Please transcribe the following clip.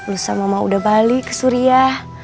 lusa mama mau udah balik ke suriah